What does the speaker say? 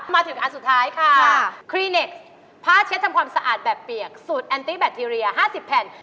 มาถึงอันสุดท้ายค่ะคลินิกผ้าเช็ดทำความสะอาดแบบเปียกสูตรแอนตี้แบคทีเรีย๕๐แผ่น